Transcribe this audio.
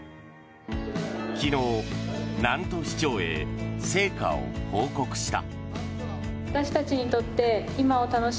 昨日、南砺市長へ成果を報告した。